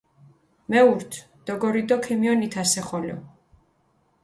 მეურთ, დოგორით დო ქიმიონით ასე ხოლო.